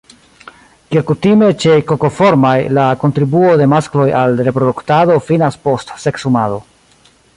Kiel kutime ĉe Kokoformaj, la kontribuo de maskloj al reproduktado finas post seksumado.